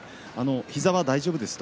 膝は大丈夫です